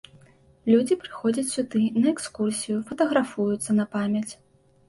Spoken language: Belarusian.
Людзі прыходзяць сюды на экскурсію, фатаграфуюцца на памяць.